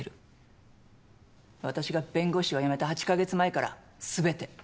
私が弁護士を辞めた８カ月前から全て。